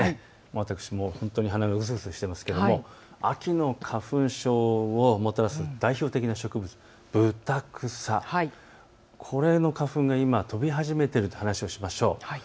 私も本当に鼻がむずむずしていますが秋の花粉症をもたらす代表的な植物、ブタクサ、これの花粉が今、飛び始めているという話をしましょう。